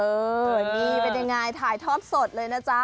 นี่เป็นยังไงถ่ายทอดสดเลยนะจ๊ะ